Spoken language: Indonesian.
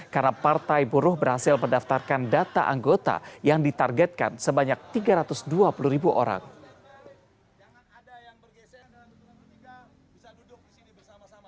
karena partai buruh berhasil mendaftarkan data anggota yang ditargetkan sebanyak tiga ratus dua puluh ribu anggota